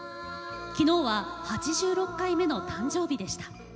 昨日は８６回目の誕生日でした。